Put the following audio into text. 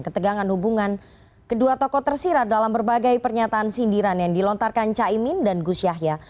ketegangan hubungan kedua tokoh tersirat dalam berbagai pernyataan sindiran yang dilontarkan caimin dan gus yahya